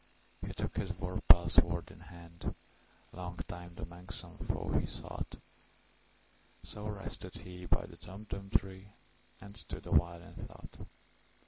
He took his vorpal sword in hand:Long time the manxome foe he sought—So rested he by the Tumtum tree, And stood awhile in thought.